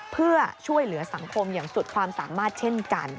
เพื่อช่วยเหลือสังคมอย่างสุดความสามารถเช่นกัน